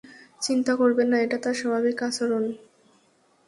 চিন্তা করবেন না, এটা তাঁর স্বাভাবিক আচরণ।